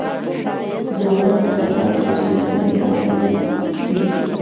ځوانانو ته پکار ده چې، رسنۍ ازادې کړي.